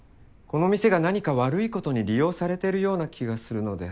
この店が何か悪いことに利用されてるような気がするので。